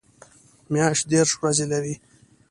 میاشت دېرش ورځې لري